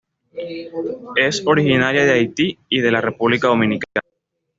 Es originaria de Haití y de la República Dominicana.